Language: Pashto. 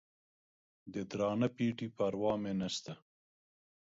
د درانه پېټي پروا مې نسته.